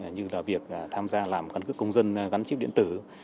như là việc tham gia làm căn cước công dân gắn chip điện tử